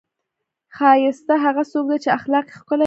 ښایسته هغه څوک دی، چې اخلاق یې ښکلي وي.